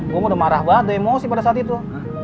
gue udah marah banget emosi pada saat itu